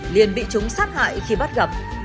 liền bị chúng sát hại khi bắt gặp